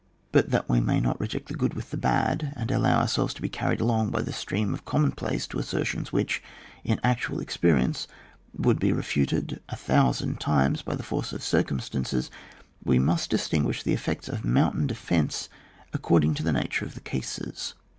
But that we may not reject the good with the bad, and allow ourselves to be carried along by the stream of oonmion place to assertions which, in actual experience, would be refuted a thousand times by the force of circumstances, we must distinguish the effects of moun tain defence according to the nature of the cases.